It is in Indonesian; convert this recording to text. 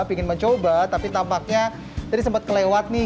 ingin mencoba tapi tampaknya tadi sempat kelewat nih